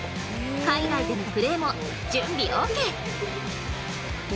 海外でのプレーも準備オッケー。